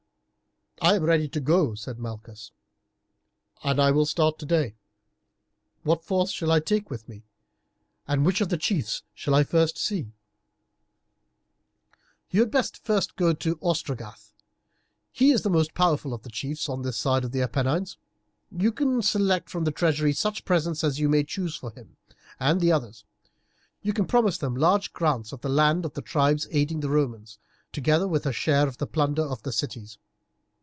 "I am ready to go," Malchus said, "and will start today. What force shall I take with me, and which of the chiefs shall I first see?" "You had best go first to Ostragarth. He is the most powerful of the chiefs on this side of the Apennines. You can select from the treasury such presents as you may choose for him and the others. You can promise them large grants of the land of the tribes aiding the Romans, together with a share in the plunder of the cities.